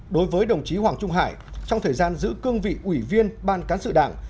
đối với đồng chí hoàng trung hải trong thời gian giữ cương vị ủy viên ban cán sự đảng